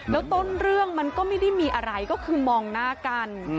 แล้วต้นเรื่องมันก็ไม่ได้มีอะไรก็คือมองหน้ากัน